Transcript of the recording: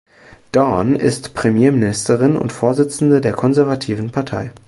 Dawn ist Premierministerin und Vorsitzende der Konservativen Partei.